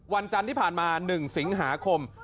วันจันทร์ที่ผ่านมา๑สิงหาคม